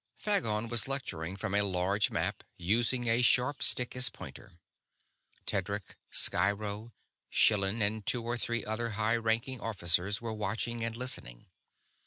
Phagon was lecturing from a large map, using a sharp stick as pointer; Tedric, Sciro, Schillan, and two or three other high ranking officers were watching and listening.